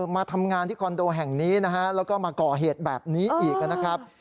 มาทำงานที่คอนโดแห่งนี้นะฮะแล้วก็มาก่อเหตุแบบนี้อีกนะครับ